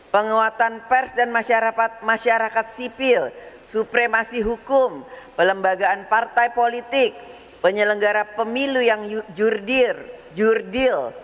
penguatan pers dan masyarakat masyarakat sipil supremasi hukum pelembagaan partai politik penyelenggara pemilu yang jurdir jurdil